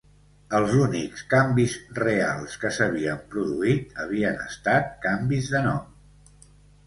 Els únics canvis reals que s'havien produït havien estat canvis de nom